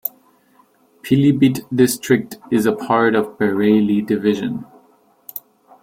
Pilibhit district is a part of Bareilly Division.